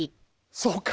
そうか！